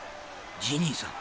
ジニさん。